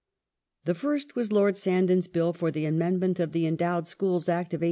The first was Lord Sandon's Bill for the amendment of the Endowed Schools Act of 1869."